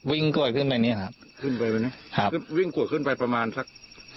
วิ่งขวดขึ้นไปประมาณซัก